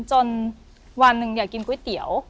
จนวันหนึ่งอยากกินก๋วยเตี๋ยว